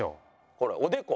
ほらおでこ。